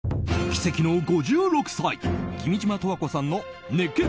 奇跡の５６歳君島十和子さんの熱血！